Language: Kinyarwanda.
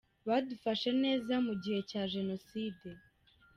Badufashe neza mu gihe cya Jenoside.